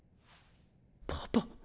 パパ？